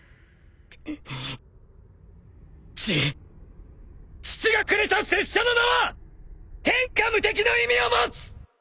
ち父がくれた拙者の名は天下無敵の意味を持つ！